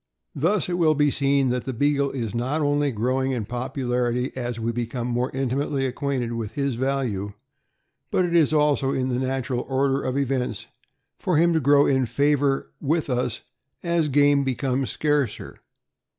Thus, it will be seen that the Beagle is not only growing in popularity as we become more intimately acquainted with his value, but it is also in the natural order of events for him to grow in favor with us as game becomes scarcer.